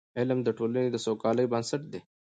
علم د ټولني د سوکالۍ بنسټ دی.